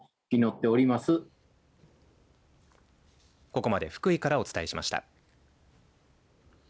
ここまで福井からお伝えしました。